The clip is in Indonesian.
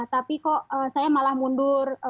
tapi kok saya malah mundur